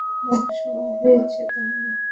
বাহ, সময় হয়েছে তাহলে!